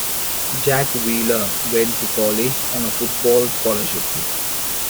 Jack Wheeler went to college on a football scholarship.